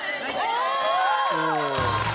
お！